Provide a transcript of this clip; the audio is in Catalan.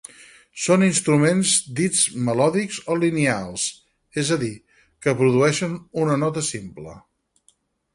Són instruments dits melòdics o lineals, és a dir que produeixen una nota simple.